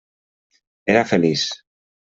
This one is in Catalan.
Era feliç.